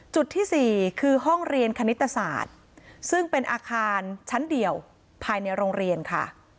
จุดที่๔คือห้องเรียนคณิตศาสตร์ซึ่งเป็นอาคารชั้นเดียวภายในโรงเรียนค่ะ